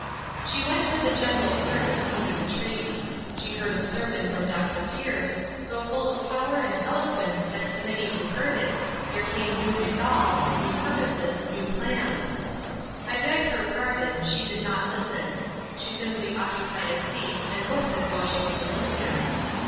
She went to the general service under the trees; she heard a sermon from Dr. Pierce, so full of power and eloquence that to many who heard it there came new resolves, new purposes, new plans. I beg her pardon, she did not listen; she simply occupied a seat and looked as though she was a listener.